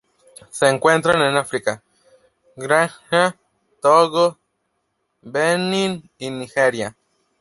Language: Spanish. Se encuentran en África: Ghana, Togo Benín y Nigeria.